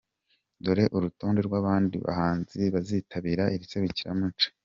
Dore urutonde rw’abandi bahanzi bazitabira iri serukiramuco:.